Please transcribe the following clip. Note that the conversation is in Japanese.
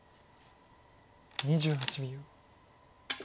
２８秒。